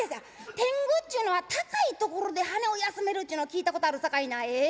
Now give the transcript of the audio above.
天狗っちゅうのは高い所で羽を休めるっちゅうのは聞いたことあるさかいなええ？